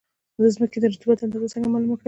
د ځمکې د رطوبت اندازه څنګه معلومه کړم؟